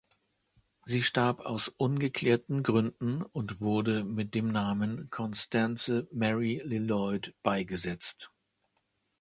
Sie starb aus ungeklärten Gründen und wurde mit dem Namen Constance Mary Lloyd beigesetzt.